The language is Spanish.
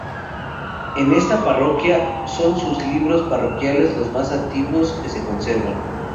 En esta Parroquia son sus libros parroquiales los más antiguos que se conservan.